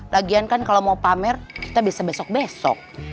lagian kan kalau mau pamer kita bisa besok besok